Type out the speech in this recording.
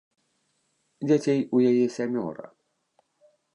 Дзяцей у яе сямёра.